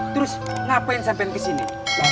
terus ngapain sampai kesini